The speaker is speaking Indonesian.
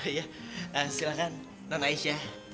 iya silahkan non aisyah